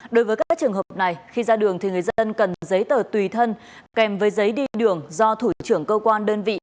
đối với các trường hợp này khi ra đường thì người dân cần giấy tờ tùy thân kèm với giấy đi đường do thủ trưởng cơ quan đơn vị